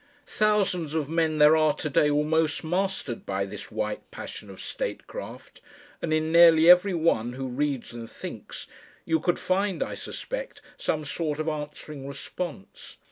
Thousands of men there are to day almost mastered by this white passion of statecraft, and in nearly every one who reads and thinks you could find, I suspect, some sort of answering response.